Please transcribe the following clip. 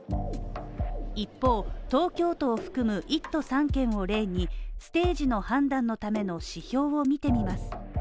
一方、東京都を含む１都３県を例にステージの判断のための指標を見てみます。